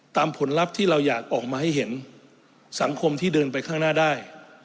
ผลลัพธ์ที่เราอยากออกมาให้เห็นสังคมที่เดินไปข้างหน้าได้